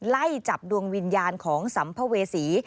ไล่จับดวงวิญญาณของสัมภเวษี